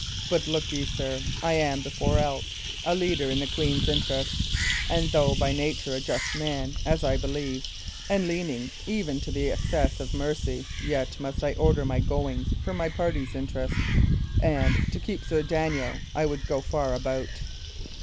But look ye, sir, I am, before all else, a leader in the queen's interest; and though by nature a just man, as I believe, and leaning even to the excess of mercy, yet must I order my goings for my party's interest, and, to keep Sir Daniel, I would go far about."